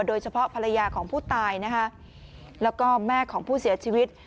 โดยเฉพาะภรรยาของผู้ตายนะคะแล้วก็แม่ของผู้เสียชีวิต